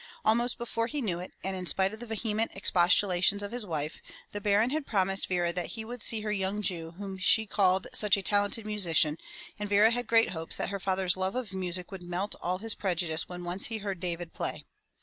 Almost before he knew it and in spite of the vehement expostulations of his wife, the Baron had promised Vera that he would see her young Jew whom she called such a talented musician, and Vera had great hopes that her father's love of music would melt all his prejudice when once he heard David play.